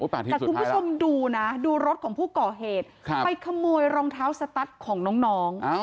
แต่คุณผู้ชมดูนะดูรถของผู้ก่อเหตุไปขโมยรองเท้าสตัสของน้อง